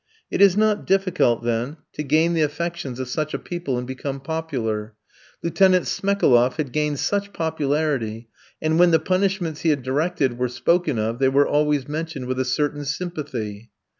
It is not difficult, then, to gain the affections of such a people and become popular. Lieutenant Smekaloff had gained such popularity, and when the punishments he had directed were spoken of, they were always mentioned with a certain sympathy.